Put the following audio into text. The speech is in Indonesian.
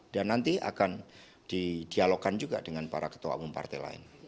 dan nanti akan di dialogkan juga dengan para ketua umum partai lain